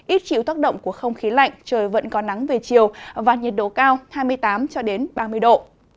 ít chịu tác động của không khí lạnh trời vẫn có nắng về chiều và nhiệt độ cao hai mươi tám ba mươi độ